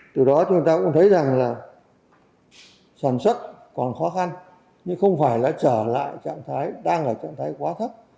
từ đó chúng ta cũng thấy rằng là sản xuất còn khó khăn nhưng không phải là trở lại trạng thái đang là trạng thái quá thấp